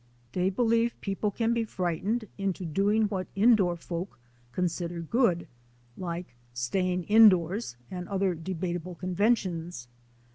They believe that people can be frightened into doing what indoor folk consider good, like staying indoors and other debatable con ventions.